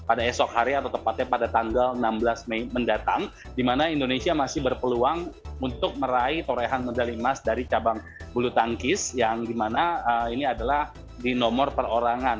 pada esok hari atau tepatnya pada tanggal enam belas mei mendatang di mana indonesia masih berpeluang untuk meraih torehan medali emas dari cabang bulu tangkis yang dimana ini adalah di nomor perorangan